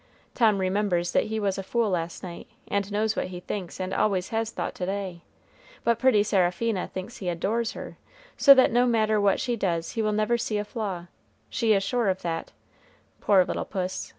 Tom remembers that he was a fool last night, and knows what he thinks and always has thought to day; but pretty Seraphina thinks he adores her, so that no matter what she does he will never see a flaw, she is sure of that, poor little puss!